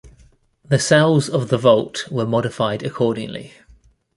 The cells of the vault were modified accordingly.